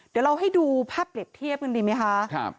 เดี๋ยวเราให้ดูภาพเปรียบเทียบกันดีไหมคะ